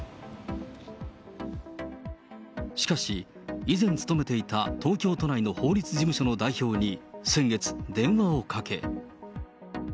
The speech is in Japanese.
しかし、以前勤めていた東京都内の法律事務所の代表に先月、電話をかけ。